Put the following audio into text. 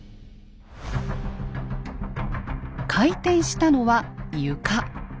回転したのは「床」。